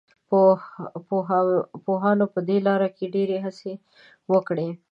پوهانو په دې لاره کې ډېرې هڅې وکړې.